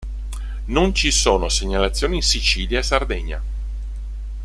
Non si sono segnalazioni in Sicilia e Sardegna.